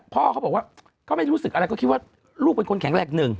พ่อเขาบอกว่าก็ไม่รู้สึกอะไรก็คิดว่าลูกเป็นคนแข็งแรงหนึ่ง